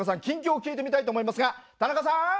近況を聞いてみたいと思いますが田中さん！